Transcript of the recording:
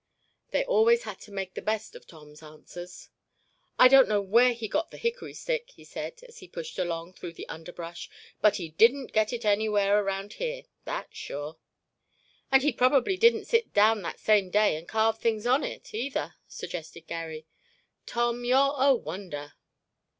They always had to make the best of Tom's answers. "I don't know where he got the hickory stick," he said, as he pushed along through the underbrush, "but he didn't get it anywhere around here, that's sure." "And he probably didn't sit down that same day and carve things on it, either," suggested Garry; "Tom, you're a wonder."